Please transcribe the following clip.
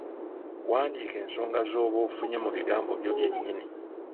Wandiika ensonga z'oba ofunye mu bigambo byo byennyini.